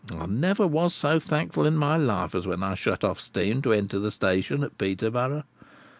I never was so thankful in my life as when I shut off steam to enter the station at Peterborough.